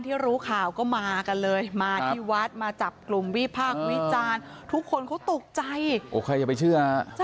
ที่รู้ข่าวก็มากันเลยมาที่วัดมาจับกรุงวีภาควิจารณ์ทุกคนเขาตกใจโอเคอย่าไปเชื่อ